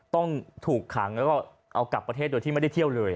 ต้องถูกขังแล้วก็เอากลับประเทศโดยที่ไม่ได้เที่ยวเลย